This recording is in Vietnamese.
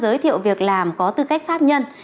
giới thiệu việc làm có tư cách pháp nhân